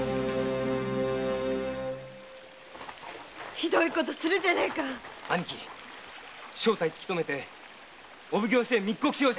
ひどい事するじゃねえか兄貴正体突きとめてお奉行所へ密告しようや。